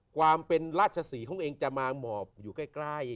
ความเป็นราชศรีของเองจะมาหมอบอยู่ใกล้